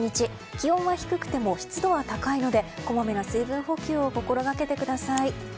気温は低くても湿度は高いのでこまめな水分補給を心がけてください。